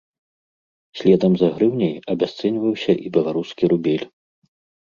Следам за грыўняй абясцэньваўся і беларускі рубель.